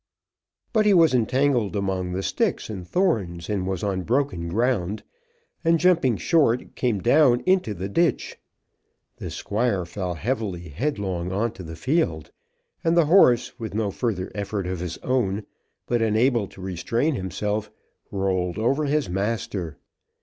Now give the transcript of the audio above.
But he was entangled among the sticks and thorns and was on broken ground, and jumping short, came down into the ditch. The Squire fell heavily head long on to the field, and the horse, with no further effort of his own, but unable to restrain himself, rolled over his master.